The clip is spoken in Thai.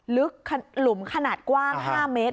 หลุมขนาดกว้าง๕เมตร